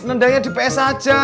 nendangnya di ps aja